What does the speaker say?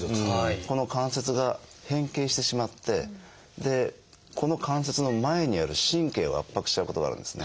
ここの関節が変形してしまってこの関節の前にある神経を圧迫しちゃうことがあるんですね。